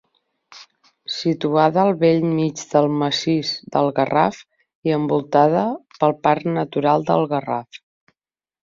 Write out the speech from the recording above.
Situada al bell mig del massís del Garraf i envoltada pel Parc Natural del Garraf.